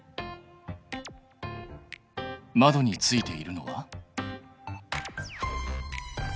窓についているのは？